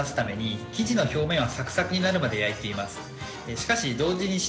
しかし。